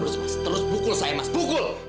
terus mas terus bukul saya mas bukul